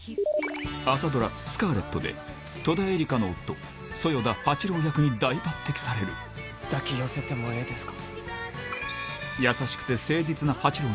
朝ドラ『スカーレット』で戸田恵梨香の夫十代田八郎役に大抜擢される抱き寄せてもええですか？